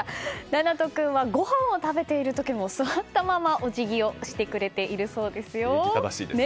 凪和人君はごはんを食べている時も座ったまま、お辞儀をしてくれているそうですよ。